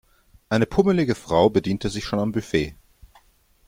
Eine pummelige Frau bediente sich schon am Buffet.